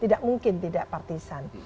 tidak mungkin tidak partisan